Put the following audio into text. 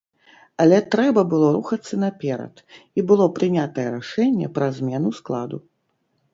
Але трэба было рухацца наперад, і было прынятае рашэнне пра змену складу.